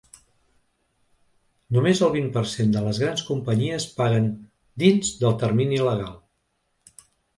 Només el vint per cent de les grans companyies paguen dins del termini legal.